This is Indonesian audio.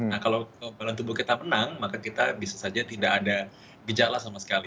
nah kalau kebalan tubuh kita menang maka kita bisa saja tidak ada gejala sama sekali